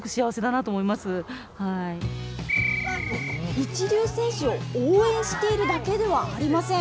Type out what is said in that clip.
一流選手を応援しているだけではありません。